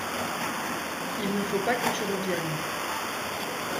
Il ne faut pas que tu reviennes.